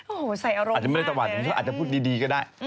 โอ้โหใส่อารมณ์อาจจะไม่ได้ตะวัดเขาอาจจะพูดดีก็ได้